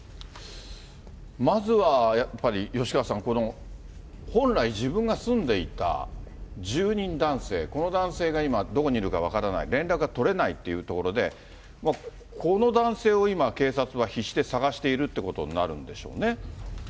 まずはやっぱり吉川さん、この本来、自分が住んでいた住人男性、この男性が今どこにいるか分からない、連絡が取れないというところで、この男性を今、警察は必死で捜しているってことになるんでしょうね。